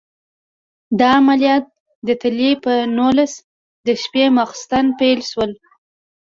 دا عملیات د تلې په نولسم د شپې ماخوستن پیل شول.